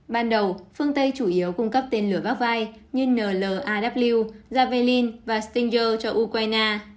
ban đầu phương tây chủ yếu cung cấp tên lửa gác vai như nlaw javelin và stinger cho ukraine